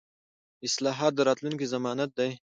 اصلاحات د راتلونکي ضمانت دي